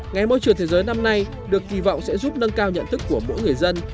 ngày môi trường thế giới năm nay được kỳ vọng sẽ giúp nâng cao nhận thức của mỗi người dân